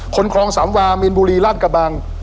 คลองสามวามีนบุรีราชกระบัง